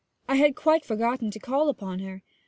'I had quite forgotten to call upon her.